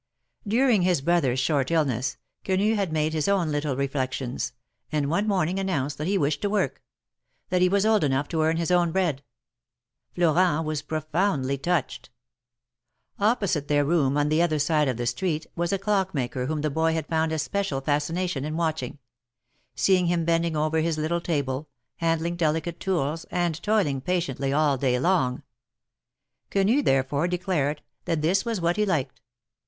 During his brother's short illness, Quenu had made his own little reflections, and one morning announced that he wished to work — that he was old enough to earn his own bread. Florent was profoundly touched. THE MARKETS OF PARIS. 63 Opposite their room, on the other side of the street, was a clock maker whom the boy had found especial fascina tion in watching — seeing him bending over his little table, handling delicate tools, and toiling patiently all day long, Quenu, therefore, declared that this was what he liked.